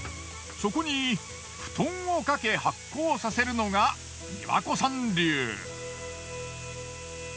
そこに布団をかけ発酵させるのが美和子さん流。